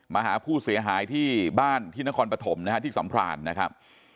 มาหาผู้เสียหายที่บ้านที่นครปฐมนะฮะที่สัมพรานนะครับ